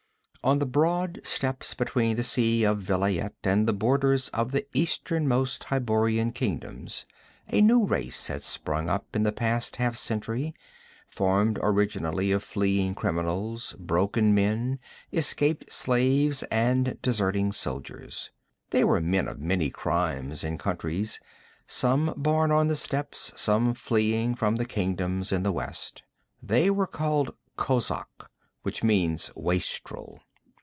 On the broad steppes between the Sea of Vilayet and the borders of the easternmost Hyborian kingdoms, a new race had sprung up in the past half century, formed originally of fleeing criminals, broken men, escaped slaves, and deserting soldiers. They were men of many crimes and countries, some born on the steppes, some fleeing from the kingdoms in the west. They were called kozak, which means wastrel.